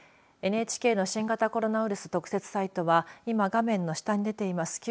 ＮＨＫの新型コロナウイルス特設サイトは今、画面の下に出ています